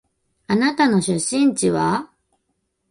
あなたの出身地は？